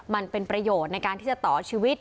มันเป็นประโยชน์ในการที่จะต่อชีวิต